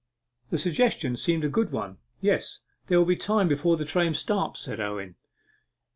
The suggestion seemed a good one. 'Yes, there will be time before the train starts,' said Owen.